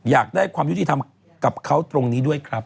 อยากได้ความยุติธรรมกับเขาตรงนี้ด้วยครับ